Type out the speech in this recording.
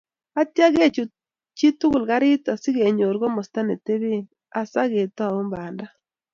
Atia kochut chitukul karit asikonyor komasta netebee, asaa aketou banda